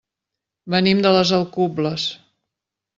Venim de les Alcubles.